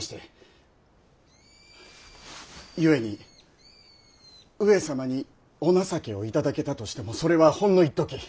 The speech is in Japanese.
ゆえに上様にお情けを頂けたとしてもそれはほんのいっとき。